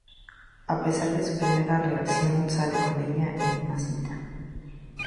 A pesar de su primera reacción, sale con ella en una cita.